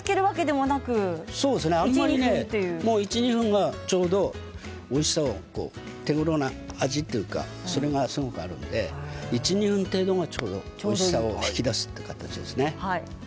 １、２分が、ちょうどおいしさ手ごろな味というのが出るので１、２分程度がちょうどおいしさを引き出すという形ですね。